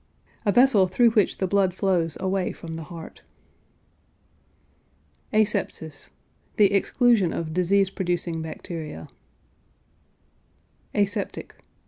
A vessel through which the blood flows away from the heart. ASEPSIS. The exclusion of disease producing bacteria. ASEPTIC.